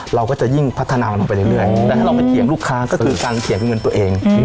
เราก็จะยิ่งพัฒนาลงไปเรื่อยแต่ถ้าเราไปเถียงลูกค้าก็คือการเถียงเงินตัวเอง